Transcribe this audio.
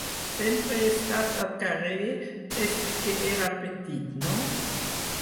Sempre he estat al carrer, des de que era petit, no?